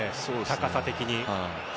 高さ的に。